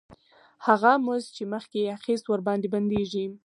هغه مزد چې مخکې یې اخیست ورباندې بندېږي